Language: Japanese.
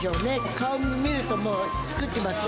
顔を見るともう、作ってます。